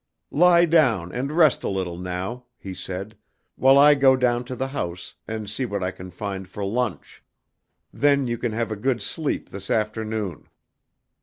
"Lie down and rest a little now," he said, "while I go down to the house and see what I can find for lunch. Then you can have a good sleep this afternoon."